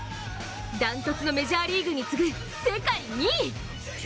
ダントツのメジャーリーグに次ぐ世界２位！